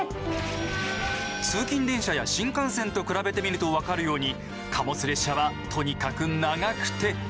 通勤電車や新幹線と比べてみると分かるように貨物列車はとにかく長くて重い。